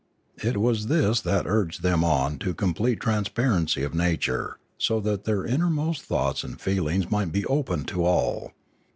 It was this that urged them on to complete transparency of nature, so that their inmost thoughts and feelings might be open to all.